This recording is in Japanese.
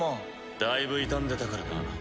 だいぶ傷んでたからな。